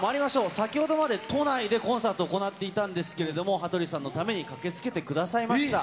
先ほどまで都内でコンサートを行っていたんですけれども、羽鳥さんのために駆けつけてくださいました。